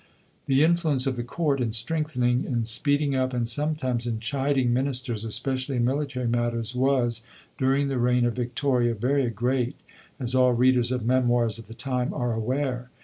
The influence of the Court in strengthening, in speeding up, and sometimes in chiding Ministers, especially in military matters, was, during the reign of Victoria, very great, as all readers of memoirs of the time are aware.